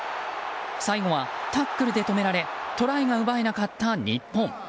最後はタックルで止められトライが奪えなかった日本。